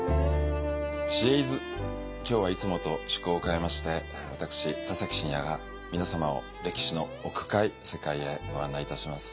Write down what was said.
今日はいつもと趣向を変えまして私田崎真也が皆様を歴史の奥深い世界へご案内いたします。